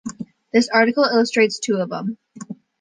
This article illustrates two of them.